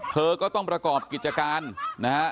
เธอก็ต้องประกอบกิจการนะฮะ